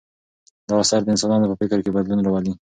دا اثر د انسانانو په فکر کې بدلون راولي.